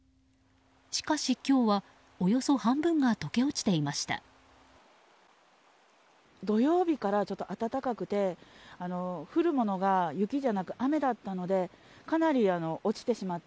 しかし今日はおよそ半分が解け落ちていました。